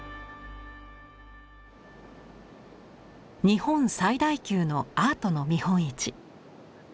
日本最大級のアートの見本市。